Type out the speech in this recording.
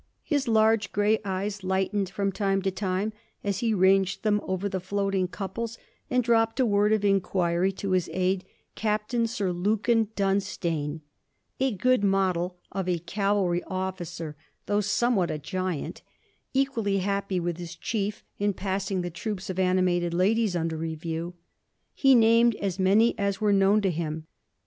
His large grey eyes lightened from time to time as he ranged them over the floating couples, and dropped a word of inquiry to his aide, Captain Sir Lukin Dunstane, a good model of a cavalry officer, though somewhat a giant, equally happy with his chief in passing the troops of animated ladies under review. He named as many as were known to him.